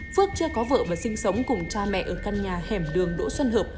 phước chưa có vợ mà sinh sống cùng cha mẹ ở căn nhà hẻm đường đỗ xuân hợp